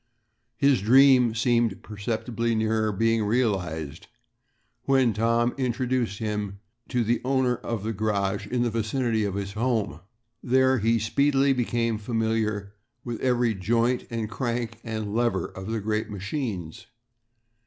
His dream seemed perceptibly nearer being realized when Tom introduced him to the owner of a garage in the vicinity of his home. There he speedily became familiar with every joint and crank and lever of the great machines.